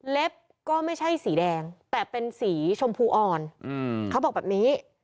ก็ไม่ใช่สีแดงแต่เป็นสีชมพูอ่อนเขาบอกแบบนี้